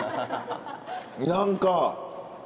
何か。